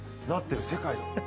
なってる世界の。